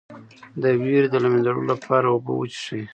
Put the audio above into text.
د ویرې د له منځه وړلو لپاره اوبه وڅښئ